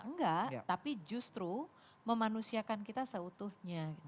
enggak tapi justru memanusiakan kita seutuhnya